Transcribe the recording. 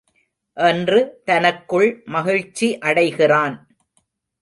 என்று தனக்குள் மகிழ்ச்சி அடைகிறான்.